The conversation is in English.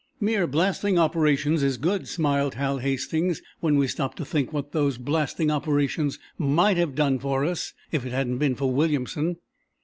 "'Mere blasting operations' is good," smiled Hal Hastings, "when we stop to think what those 'blasting operations' might have done for us if it hadn't been for Williamson."